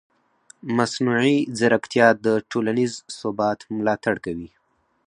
مصنوعي ځیرکتیا د ټولنیز ثبات ملاتړ کوي.